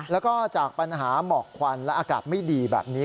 แล้วก็จากปัญหาหมอกควันและอากาศไม่ดีแบบนี้